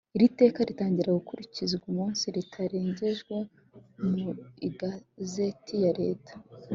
Iri teka ritangira gukurikizwa umunsi ritangarijweho mu igazeti ya Leta